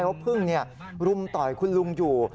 แล้วพึ่งรุมต่อยคุณลุงอยู่